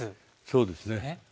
そうですね。